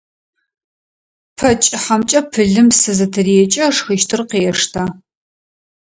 Пэ кӏыхьэмкӏэ пылым псы зытырекӏэ, ышхыщтыр къештэ.